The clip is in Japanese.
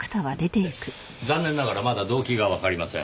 残念ながらまだ動機がわかりません。